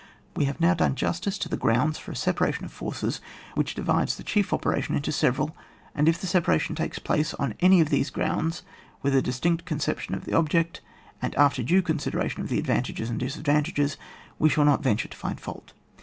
We have now done justice to the g^unds for a separation of forces which divides the chief operation into several, and if the separation takes place on any of these grounds, with a distinct concep tion of tiie object, and after due con sideration of the advantages and disad vantages, we shall not venture to find fault.